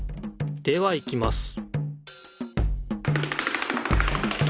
ではいきます